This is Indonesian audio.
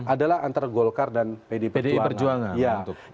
adalah antara golkar dan pdi perjuangan